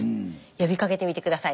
呼びかけてみて下さい。